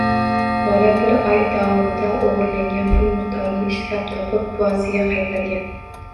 Bola bir oy davomida o‘g‘irlangan pul miqdorini ishlab topib, buvasiga qaytargan.